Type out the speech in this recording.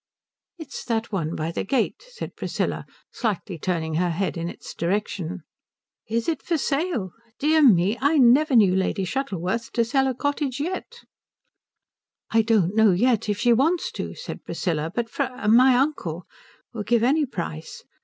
"It's that one by the gate," said Priscilla, slightly turning her head in its direction. "Is it for sale? Dear me, I never knew Lady Shuttleworth sell a cottage yet." "I don't know yet if she wants to," said Priscilla; "but Fr , my uncle, will give any price.